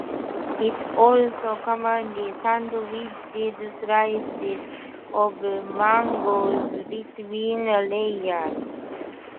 It also commonly sandwiches slices of mangoes between the layers.